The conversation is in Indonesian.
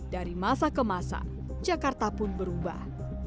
dari masa ke masa jakarta pun berubah